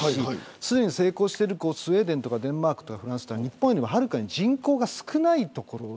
すでに成功しているスウェーデンやデンマークやフランスは日本よりはるかに人口が少ない。